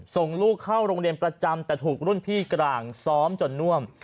ส่งลูกเข้าโรงเรียนประจำแต่ถูกรุ่นพี่กลางซ้อมจนน่วม